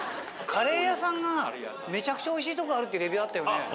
カレー屋さんがめちゃくちゃ美味しいとこがあるってレビューあったよね。